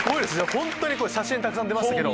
本当に写真たくさん出ました。